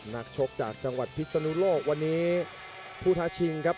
นักชกจากจังหวัดพิศนุโลกวันนี้ผู้ท้าชิงครับ